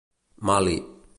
Mali.